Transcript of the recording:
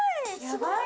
すごい！